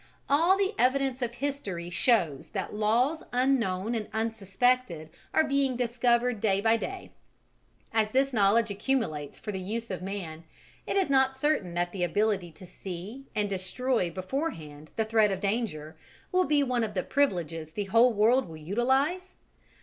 All the evidence of history shows that laws unknown and unsuspected are being discovered day by day: as this knowledge accumulates for the use of man, is it not certain that the ability to see and destroy beforehand the threat of danger will be one of the privileges the whole world will utilize?